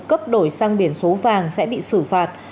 cấp đổi sang biển số vàng sẽ bị xử phạt